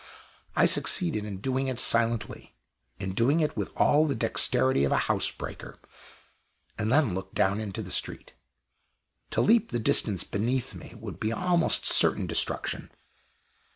I succeeded in doing it silently in doing it with all the dexterity of a house breaker and then looked down into the street. To leap the distance beneath me would be almost certain destruction!